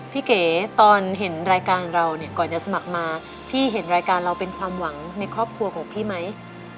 เก๋ตอนเห็นรายการเราเนี่ยก่อนจะสมัครมาพี่เห็นรายการเราเป็นความหวังในครอบครัวของพี่ไหม